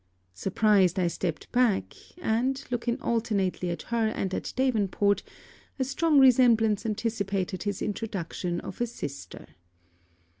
Surprised, I stepped back; and, looking alternately at her and at Davenport, a strong resemblance anticipated his introduction of a sister.